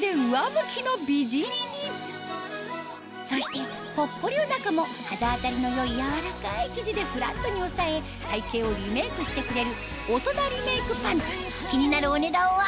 そしてぽっこりお腹も肌当たりの良い柔らかい生地でフラットに抑え体形をリメイクしてくれる気になるお値段は？